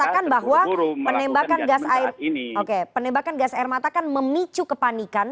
karena kan dikatakan bahwa penembakan gas air mata kan memicu kepanikan